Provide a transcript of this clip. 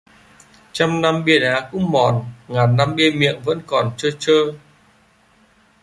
Trăm năm bia đá cũng mòn, nghìn năm bia miệng vẫn còn trơ trơ.